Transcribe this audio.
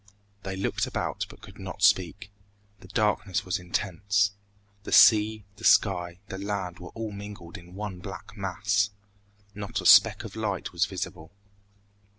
They looked about, but could not speak. The darkness was intense. The sea, the sky, the land were all mingled in one black mass. Not a speck of light was visible.